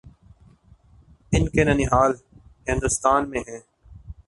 ان کے ننھیال ہندوستان میں ہیں۔